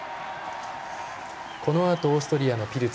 このあとオーストリアのピルツ